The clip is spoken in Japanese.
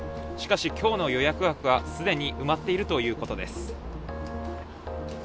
しかし、きょうの予約枠はすでに埋まっているということです。